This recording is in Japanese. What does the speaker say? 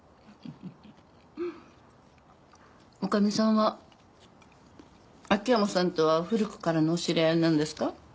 女将さんは秋山さんとは古くからのお知り合いなんですか？